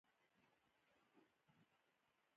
هغه د کور دروازه د میلمنو لپاره پرانیستله.